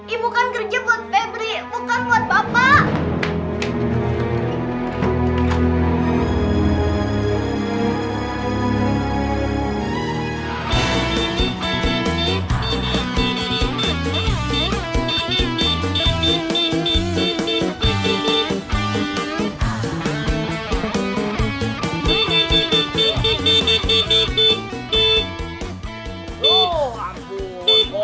ibu kan kerja buat feble bukan buat bapak